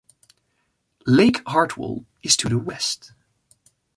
Lake Hartwell is to the west.